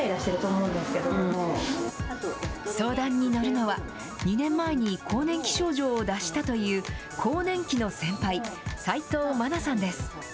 相談に乗るのは、２年前に更年期症状を脱したという更年期の先輩、斉藤万奈さんです。